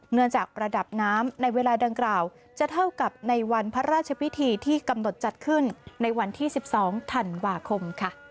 เนื่องจากระดับน้ำในเวลาดังกล่าวจะเท่ากับในวันพระราชพิธีที่กำหนดจัดขึ้นในวันที่๑๒ธันวาคม